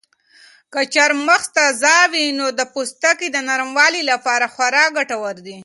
که چهارمغز تازه وي نو د پوستکي د نرموالي لپاره خورا ګټور دي.